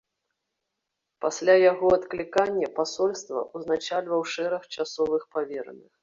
Пасля яго адклікання пасольства ўзначальваў шэраг часовых павераных.